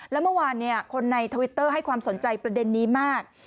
แล้วเมื่อวานคนในทวิตเตอร์ให้ความสนใจประเด็นนี้มาก